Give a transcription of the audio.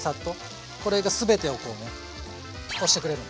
これが全てをこうねこうしてくれる。